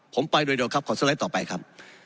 ผมไปโดยเร็วครับขอสไลด์ต่อไปครับ